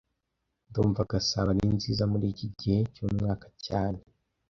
Ndumva Gasabo ari nziza muriki gihe cyumwaka cyane